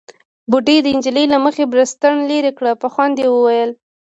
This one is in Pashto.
بوډۍ د نجلۍ له مخې بړستن ليرې کړه، په خوند يې وويل: